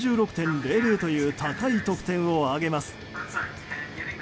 ８６．００という高い得点を挙げます。